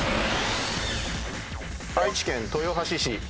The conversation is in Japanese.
愛知県豊橋市。